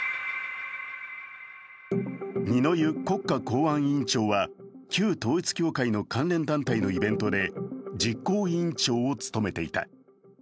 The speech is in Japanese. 二之湯国家公安委員長は旧統一教会の関連団体のイベントで実行委員長を務めていた。